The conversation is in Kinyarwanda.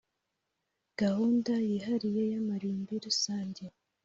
gahunda yihariye y’amarimbi rusange